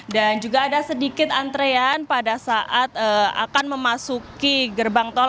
dan juga ada sedikit antrean pada saat akan memasuki gerbang tol